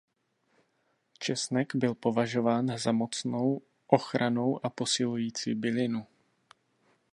Česnek byl považován za mocnou ochrannou a posilující bylinu.